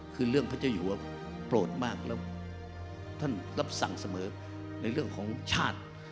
คือเรื่องพระเจ้าอยู่ว่าโปรดมากแล้วท่านรับสั่งเสมอในเรื่องของชาติ